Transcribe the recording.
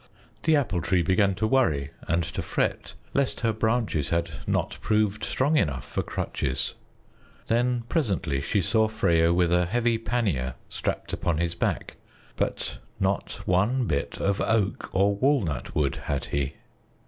The Apple Tree began to worry and to fret lest her branches had not proved strong enough for crutches. Then presently she saw Freyo with a heavy pannier strapped upon his back; but not one bit of oak or walnut wood had he.